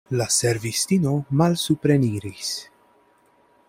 La servistino malsupreniris.